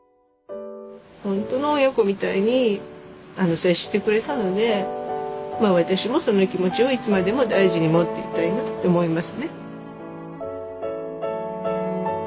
ほんとの親子みたいに接してくれたので私もその気持ちをいつまでも大事に持っていたいなと思いますね。